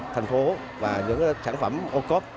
thành phố và những sản phẩm ô cốt